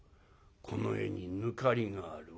この絵に抜かりがある。